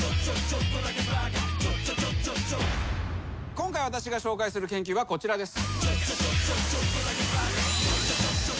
今回私が紹介する研究はこちらです。